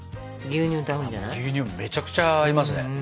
牛乳めっちゃくちゃ合いますね。